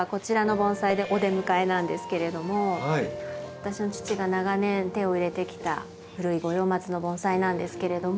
私の父が長年手を入れてきた古い五葉松の盆栽なんですけれども。